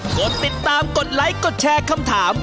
กดติดตามกดไลค์กดแชร์คำถาม